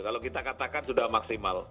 kalau kita katakan sudah maksimal